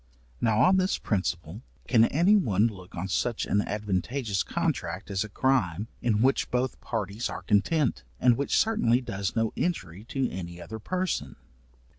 Now on this principle, can any one look on such an advantageous contract as a crime, in which both parties are content, and which certainly does no injury to any other person?